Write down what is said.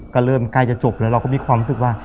ก็เริ่มใกล้จะจบแล้วเราก็มีความรู้สึกว่า